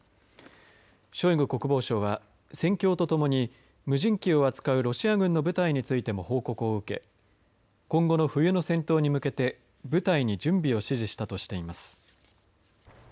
ショイグ国防相は戦況とともに無人機を扱うロシア軍の部隊についても報告を受け今後の冬の戦闘に向けて部隊に準備を指示したとしています。